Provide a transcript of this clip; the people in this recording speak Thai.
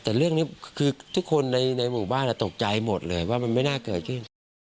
แต่เรื่องนี้คือทุกคนในหมู่บ้านตกใจหมดเลยว่ามันไม่น่าเกิดขึ้น